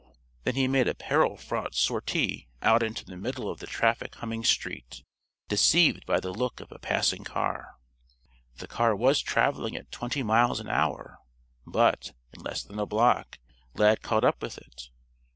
Then he made a peril fraught sortie out into the middle of the traffic humming street, deceived by the look of a passing car. The car was traveling at twenty miles an hour. But, in less than a block, Lad caught up with it.